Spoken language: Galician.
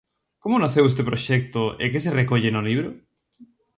Como naceu este proxecto e que se recolle no libro?